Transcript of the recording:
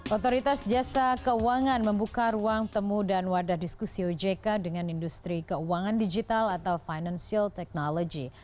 otoritas jasa keuangan membuka ruang temu dan wadah diskusi ojk dengan industri keuangan digital atau financial technology